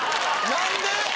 何で？